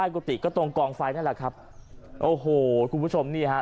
กุฏิก็ตรงกองไฟนั่นแหละครับโอ้โหคุณผู้ชมนี่ฮะ